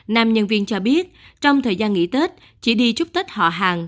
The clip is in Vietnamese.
nam nhân viên cho biết trong thời gian nghỉ tết chỉ đi chúc tết họ hàng